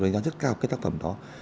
trong chiến tranh qua vài nét chấm phá